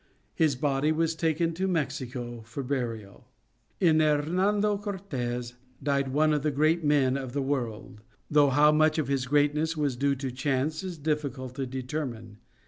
His body was taken to Mexico for burial. In Hernando Cortes died one of the great men of the world, though how much of his greatness was due to chance is difficult to determine.